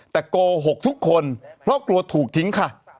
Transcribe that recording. แต่โกหกทุกคนเพราะกลัวถูกทิ้งค่ะ